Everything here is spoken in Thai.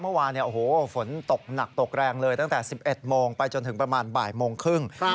เมื่อวานฝนตกหนักตกแรงเลยตั้งแต่๑๑โมงไปจนถึงประมาณบ่ายโมงครึ่ง